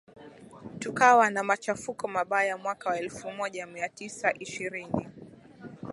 tukawa na machafuko mabaya mwaka wa elfu moja mia tisa ishirini